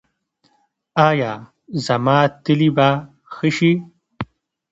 ایا زما تلي به ښه شي؟